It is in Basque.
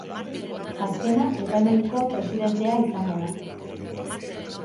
Azkena epaimahaiko presidentea izango da.